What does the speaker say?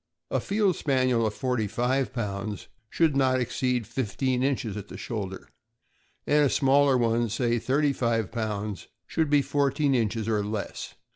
A Field Spaniel of forty five pounds should not exceed fifteen inches at shoulder, and a smaller one, say thirty five pounds, should be fourteen inches or less.